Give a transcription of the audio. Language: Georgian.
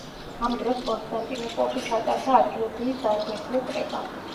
ამ დროს კონსტანტინოპოლში ჩატარდა ადგილობრივი საეკლესიო კრება.